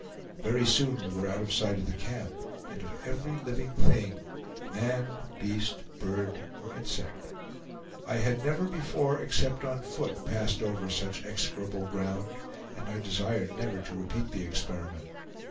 Very soon we were out of sight of the camp, and of every living thing, man, beast, bird, or insect. I had never before, except on foot, passed over such execrable ground, and I desire never to repeat the experiment.